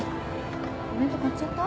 お弁当買っちゃった？